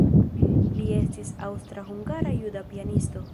Li estis aŭstra-hungara-juda pianisto.